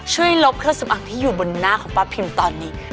ลบเครื่องสำอางที่อยู่บนหน้าของป้าพิมตอนนี้